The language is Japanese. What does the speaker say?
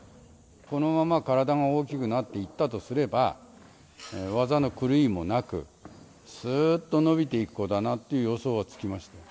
このまま体が大きくなっていったとすれば、技の狂いもなく、すーっと伸びていく子だなっていう予想がつきました。